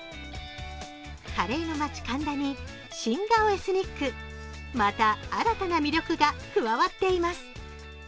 カレーの街・神田に、新顔エスニック、また新たな魅力が加わっています。